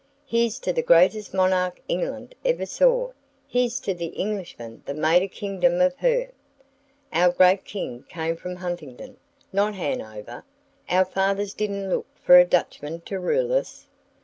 "Here's to the greatest monarch England ever saw; here's to the Englishman that made a kingdom of her. Our great King came from Huntingdon, not Hanover; our fathers didn't look for a Dutchman to rule us.